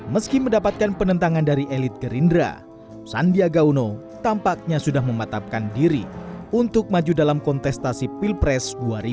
meski mendapatkan penentangan dari elit gerindra sandiaga uno tampaknya sudah mematapkan diri untuk maju dalam kontestasi pilpres dua ribu sembilan belas